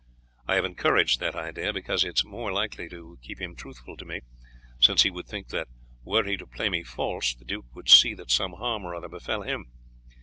I have encouraged that idea, because it is more likely to keep him truthful to me, since he would think that were he to play me false the duke would see that some harm or other befell him.